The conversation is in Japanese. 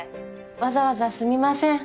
わざわざすみません。